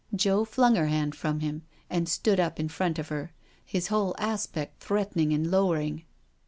Joe flung her hand from him and stood up in front of her, his whole aspect threatening and lowering.